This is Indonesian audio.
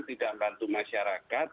tidak membantu masyarakat